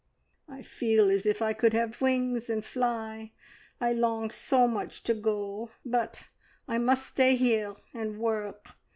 I feel as if I could have wings and fly, I long so much to go; but I must stay here and work.